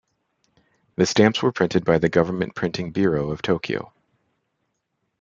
The stamps were printed by the Government Printing Bureau of Tokyo.